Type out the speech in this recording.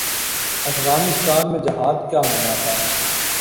افغانستان میں جہاد کیا ہونا تھا۔